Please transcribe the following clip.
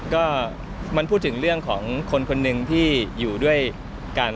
ก็มันพูดถึงเรื่องของคนคนหนึ่งที่อยู่ด้วยกัน